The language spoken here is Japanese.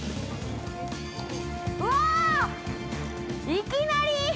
いきなり？